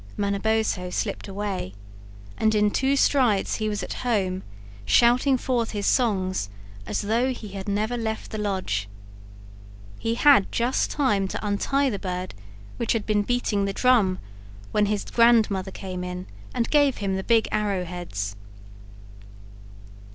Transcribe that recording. Manabozho slipped away, and in two strides he was at home, shouting forth his songs as though he had never left the lodge. He had just time to untie the bird which had been beating the drum when his grandmother came in and gave him the big arrowheads.